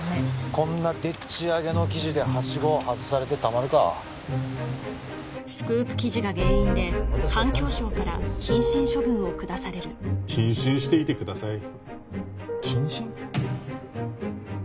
こんなでっち上げの記事ではしごを外されてたまるかスクープ記事が原因で環境省から謹慎処分を下される謹慎していてください謹慎？